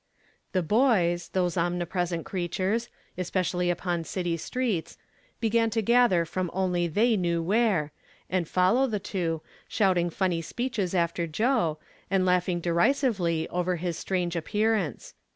" The boys, those omnipresent creatures, especially upon city streets, began to gather from only they knew where, and follow the two, shouting funny speeches after Joe, and laughing derisively over his strange appear ance.